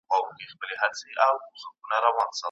کوم هیواد غواړي سوداګري نوره هم پراخه کړي؟